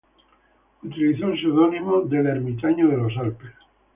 Utilizó el seudónimo de El Ermitaño de los Alpes.